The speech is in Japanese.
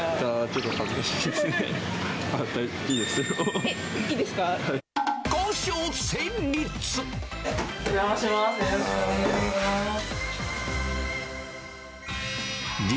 ちょっと恥ずかしいですね。